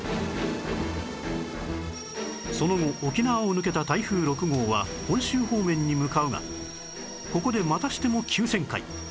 その後沖縄を抜けた台風６号は本州方面に向かうがここでまたしても急旋回